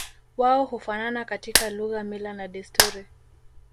Wao hufanana katika lugha mila na desturi